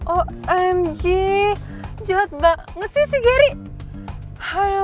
omg jelat banget sih si gary